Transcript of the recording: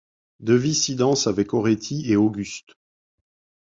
Devisse y danse avec Auretti et Auguste.